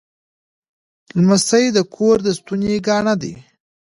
لمسی د کور د ستوني ګاڼه وي.